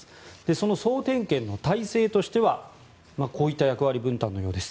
その総点検の体制としてはこういった役割分担のようです。